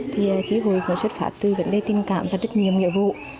trí hội cũng xuất phát từ vấn đề tình cảm và rất nhiều nhiệm vụ